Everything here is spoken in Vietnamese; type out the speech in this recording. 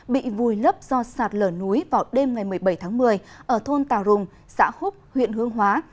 bị vùi lấp do sạt lở núi vào đêm ngày một mươi bảy tháng một mươi ở thôn tà rùng xã húc huyện hương hóa